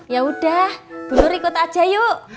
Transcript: yaudah bu nur ikut aja yuk